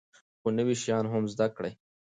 خو نوي شیان هم زده کړئ.